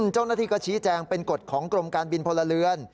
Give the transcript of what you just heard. เจ้าหน้าที่ก็ชี้แจงเป็นกฎของกรมการบินพลเรือน